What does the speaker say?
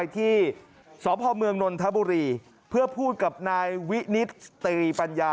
ที่สพเมืองนนทบุรีเพื่อพูดกับนายวินิตตรีปัญญา